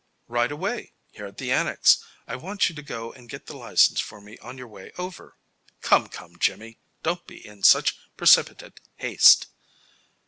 "Right away. Here at the Annex. I want you to go and get the license for me on your way over." "Come, come, Jimmy. Don't be in such precipitate haste."